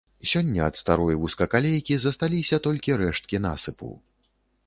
Сёння ад старой вузкакалейкі засталіся толькі рэшткі насыпу.